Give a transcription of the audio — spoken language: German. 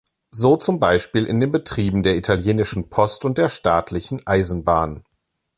So zum Beispiel in den Betrieben der Italienischen Post und der Staatlichen Eisenbahn.